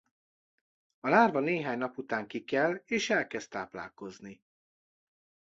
A lárva néhány nap után kikel és elkezd táplálkozni.